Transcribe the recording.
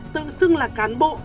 tự xưng là cán bộ